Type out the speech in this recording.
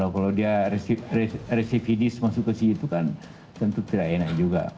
kalau dia resifidis masuk ke situ kan tentu tidak enak juga